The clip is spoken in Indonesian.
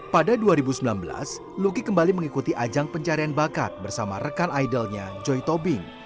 pada dua ribu sembilan belas luki kembali mengikuti ajang pencarian bakat bersama rekan idolnya joy tobing